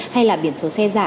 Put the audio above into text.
hay là biển số xe giả